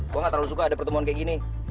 gue gak terlalu suka ada pertemuan kayak gini